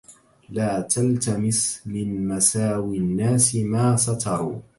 لا تلتمس من مساوي الناس ما ستروا